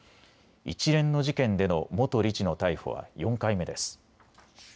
一連の事件での元理事の逮捕は４回目です。